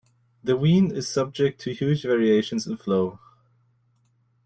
The Wien is subject to huge variations in flow.